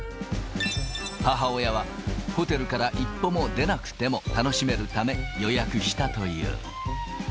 母親はホテルから一歩も出なくても楽しめるため、予約したという。